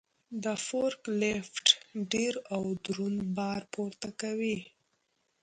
دا فورک لیفټ ډېر او دروند بار پورته کوي.